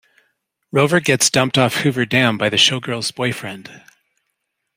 Rover gets dumped off Hoover Dam by the showgirl's boyfriend.